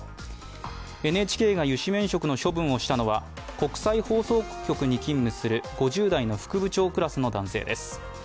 ＮＨＫが諭旨免職の処分をしたのは国際放送局に勤務する５０代の副部長クラスの男性です。